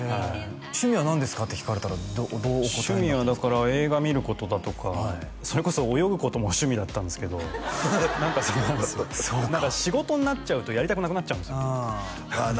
趣味は何ですか？って聞かれたらどうお答え趣味はだから映画見ることだとかそれこそ泳ぐことも趣味だったんですけど何かその仕事になっちゃうとやりたくなくなっちゃうんですよああ